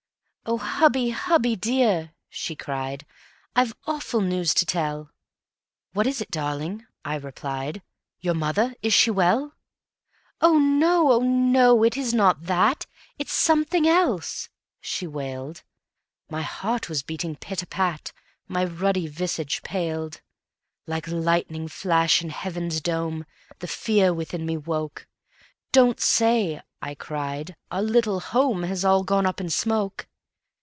"Oh hubby, hubby dear!" she cried, "I've awful news to tell. ..." "What is it, darling?" I replied; "Your mother is she well?" "Oh no! oh no! it is not that, It's something else," she wailed, My heart was beating pit a pat, My ruddy visage paled. Like lightning flash in heaven's dome The fear within me woke: "Don't say," I cried, "our little home Has all gone up in smoke!"